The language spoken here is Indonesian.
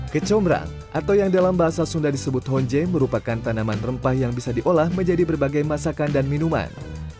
kecombrang atau yang dalam bahasa sunda disebut honje merupakan tanaman rempah yang bisa diolah menjadi berbagai masakan dan minuman